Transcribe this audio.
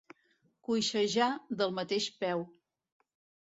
Coixejar del mateix peu.